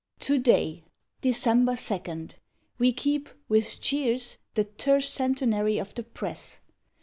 ] To day (December 2) we keep, with cheers, The Tercentenary of the Press!